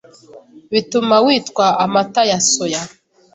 bituma witwa amata ya soya